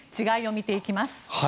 違いを見ていきます。